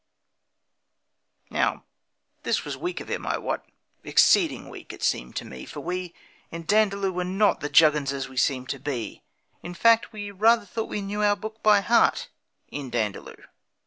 Now this was weak of him, I wot Exceeding weak, it seemed to me For we in Dandaloo were not The Jugginses we seemed to be; In fact, we rather thought we knew Our book by heart in Dandaloo.